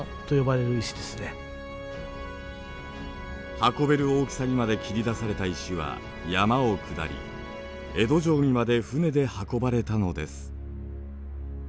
運べる大きさにまで切り出された石は山を下り江戸城にまで船で運ばれたのです。